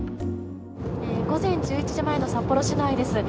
午前１１時前の札幌市内です。